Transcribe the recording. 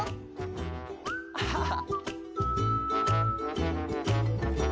アハハ！